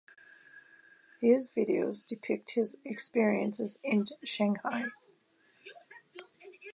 His videos depict his experiences in Shanghai.